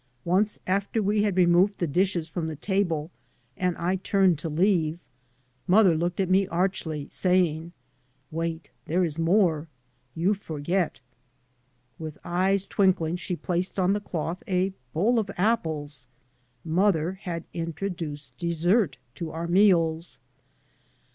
Once after we had removed the dishes from the table and I turned to leave, mother looked at me archly, saying, " Wait, there is more. You forget." With eyes twinkling she placed on the cloth a bowl of apples; mother had intro duced dessert to our meals.